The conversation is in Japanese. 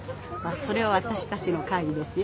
それはわたしたちの会ですよ。